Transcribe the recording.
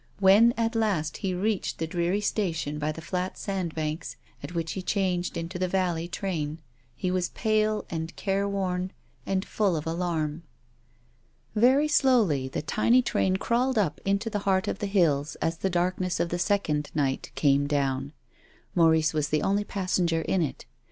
When at last he reached the dreary station by the flat sandbanks, at which he changed into the vallej train, he was pale and careworn, and full of alarm. Very slowly the tiny train crawled up into the heart of the hills as the darkness of the second night came down. Maurice was the only pas senger in it.